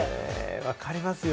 わかりますよ。